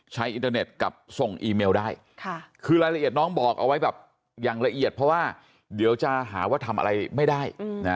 อินเทอร์เน็ตกับส่งอีเมลได้คือรายละเอียดน้องบอกเอาไว้แบบอย่างละเอียดเพราะว่าเดี๋ยวจะหาว่าทำอะไรไม่ได้